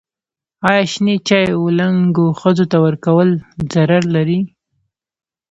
ایا شنې چايي و لنګو ښځو ته ورکول ضرر لري؟